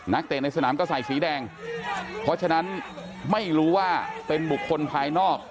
เตะในสนามก็ใส่สีแดงเพราะฉะนั้นไม่รู้ว่าเป็นบุคคลภายนอก